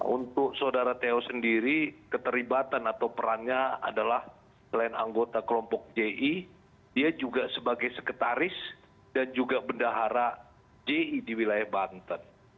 untuk saudara to sendiri keterlibatan atau perannya adalah selain anggota kelompok ji dia juga sebagai sekretaris dan juga bendahara ji di wilayah banten